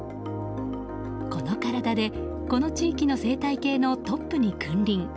この体でこの地域の生態系のトップに君臨。